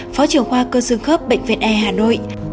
phó trưởng khoa cơ xương khớp bệnh viện e hà nội